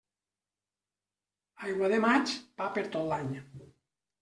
Aigua de maig, pa per tot l'any.